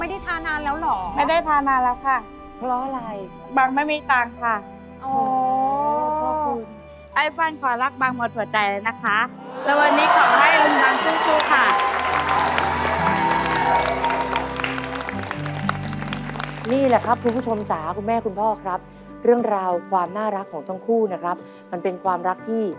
อ๋อค่ะค่ะค่ะค่ะค่ะค่ะค่ะค่ะค่ะค่ะค่ะค่ะค่ะค่ะค่ะค่ะค่ะค่ะค่ะค่ะค่ะค่ะค่ะค่ะค่ะค่ะค่ะค่ะค่ะค่ะค่ะค่ะค่ะค่ะค่ะค่ะค่ะค่ะค่ะค่ะค่ะค่ะค่ะค่ะค่ะค่ะค่ะค่ะค่ะค่ะค่ะค่ะค่ะค่ะ